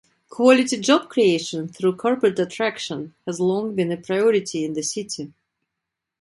Quality job creation through corporate attraction has long been a priority in the City.